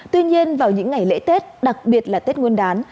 tuy nhiên vào những ngày lễ tết đặc biệt là tết nguyên đán